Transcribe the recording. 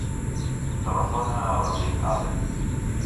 Telefona a l'Amir Alen.